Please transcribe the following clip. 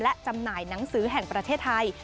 และจำหน่ายหนังสือแห่งประเทศไทย